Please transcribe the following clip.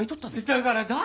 だから誰？